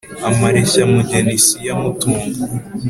Amareshya mugeni siyo amutunga.